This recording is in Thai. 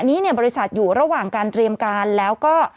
นี้เนี่ยบริษัทอยู่ระหว่างการเตรียมการแล้วก็